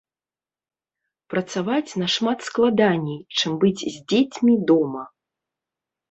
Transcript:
Працаваць нашмат складаней, чым быць з дзецьмі дома.